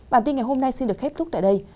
bản tin ngày hôm nay xin được khép thúc tại đây